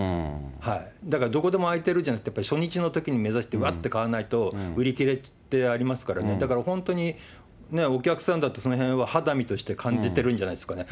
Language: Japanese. だからどこでも空いてるじゃなくて、初日のとき目指してわって買わないと、売り切れってありますからね、だから本当にお客さんだってそのへんは肌身として感じてるんじゃないですかね。